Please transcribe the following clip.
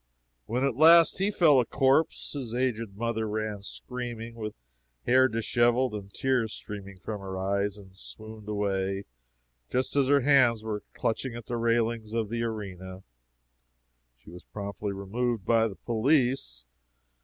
When at last he fell a corpse, his aged mother ran screaming, with hair disheveled and tears streaming from her eyes, and swooned away just as her hands were clutching at the railings of the arena. She was promptly removed by the police.